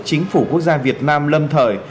chính phủ quốc gia việt nam lâm thời